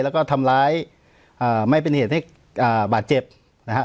แล้วก็ทำร้ายอ่าไม่เป็นเหตุให้อ่าบาดเจ็บนะฮะ